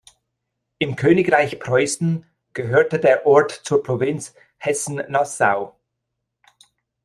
Im Königreich Preußen gehörte der Ort zur Provinz Hessen-Nassau.